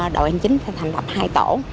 đội hành chính sẽ thành lập hai tổ